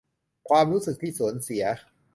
ความรู้สึกที่สูญเสีย